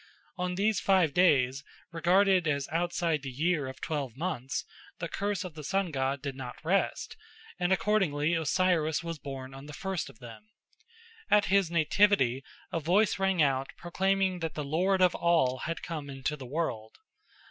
On these five days, regarded as outside the year of twelve months, the curse of the sun god did not rest, and accordingly Osiris was born on the first of them. At his nativity a voice rang out proclaiming that the Lord of All had come into the world.